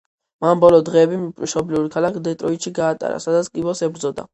მან ბოლო დღეები მშობლიურ ქალაქ დეტროიტში გაატარა, სადაც კიბოს ებრძოდა.